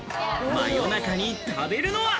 真夜中に食べるのは。